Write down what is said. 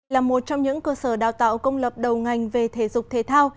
là một trong những cơ sở đào tạo công lập đầu ngành về thể dục thể thao